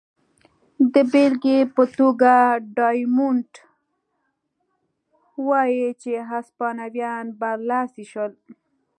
د بېلګې په توګه ډایمونډ وايي چې هسپانویان برلاسي شول.